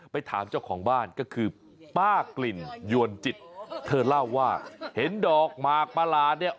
ไปถามเจ้าของบ้านก็คือป้ากลิ่นยวนจิตเธอเล่าว่าเห็นดอกหมากประหลาดเนี่ย